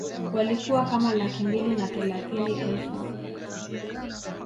Walikuwa kama laki mbili na thelathini elfu